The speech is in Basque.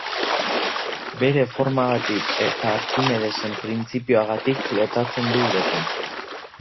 Bere formagatik eta Arkimedesen printzipioagatik flotatzen du uretan.